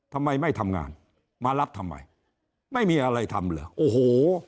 ทำไมไม่ทำงานมารับทำไมไม่มีอะไรทำเหรอโอ้โห